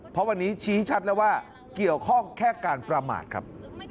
เพราะวันนี้ชี้ชัดแล้วว่าเกี่ยวข้องแค่การประมาทครับ